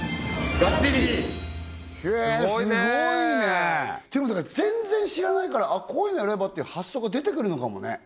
スゴいねスゴいねでもだから全然知らないからこういうのやれば？っていう発想が出てくるのかもね